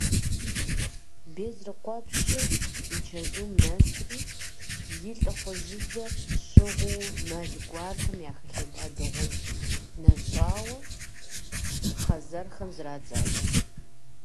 Безрыкъуэпщыр и чэзум нэсри, и лӏыхъужьыдзэр щӏыгъуу, мэл гуартэм яхэлъэда дыгъужь нэщӏауэ, хъэзэрхэм зрадзащ.